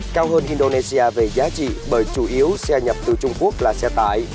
cao hơn indonesia về giá trị bởi chủ yếu xe nhập từ trung quốc là xe tải